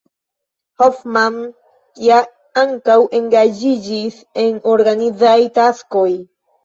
Hofmann ja ankaŭ engaĝiĝis en organizaj taskoj.